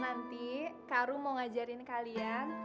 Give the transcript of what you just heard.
nanti karung mau ngajarin kalian